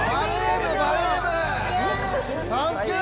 サンキュー！